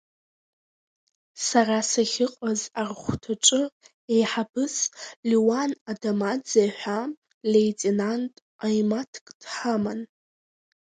Сара сахьыҟаз архәҭаҿы еиҳабыс Леуан Адамаӡе ҳәа леитенант ҟаимаҭк дҳаман.